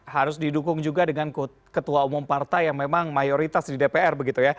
harus didukung juga dengan ketua umum partai yang memang mayoritas di dpr begitu ya